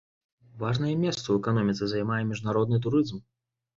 Важнае месца ў эканоміцы займае міжнародны турызм.